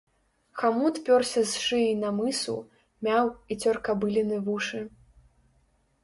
Хамут пёрся з шыі на мысу, мяў і цёр кабыліны вушы.